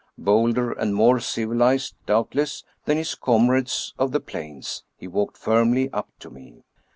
Bolder and more civilized, doubtless, than his comrades of the plains, he walked firmly up to me.